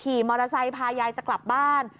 ขี่มอเตอร์ไซค์พายายจะกลับบ้าน